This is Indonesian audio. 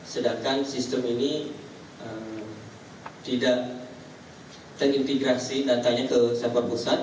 sedangkan sistem ini tidak terintegrasi datanya ke sektor pusat